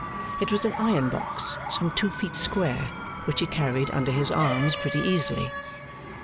It was an iron box some two feet square, which he carried under his arms pretty easily.